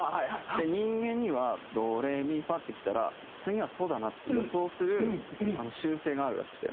で人間には「ドレミファ」ってきたら次は「ソ」だなって予想する習性があるらしくて。